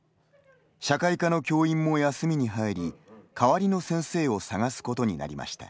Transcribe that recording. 社会科の教員も休みに入り代わりの先生を探すことになりました。